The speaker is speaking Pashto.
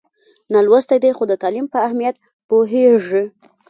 نالوستی دی خو د تعلیم په اهمیت پوهېږي.